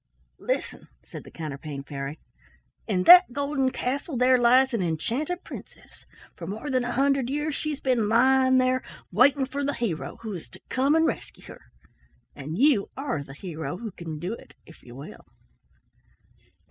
"Listen!" said the Counterpane Fairy. "In that golden castle there lies an enchanted princess. For more than a hundred years she has been lying there waiting for the hero who is to come and rescue her, and you are the hero who can do it if you will."